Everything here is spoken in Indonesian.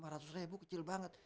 lima ratus ribu kecil banget